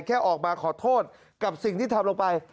แค่ออกมาขอโทษกับสิ่งที่ทำลงไป